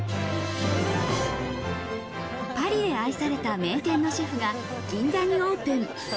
パリで愛された名店のシェフが近所にオープン。